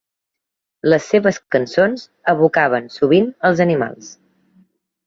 Les seves cançons evocaven sovint els animals.